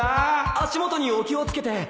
足元にお気を付けて